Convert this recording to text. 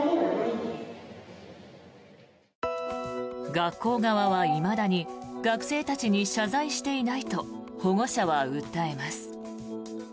学校側はいまだに学生たちに謝罪していないと保護者は訴えます。